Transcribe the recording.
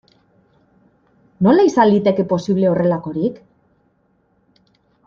Nola izan liteke posible horrelakorik?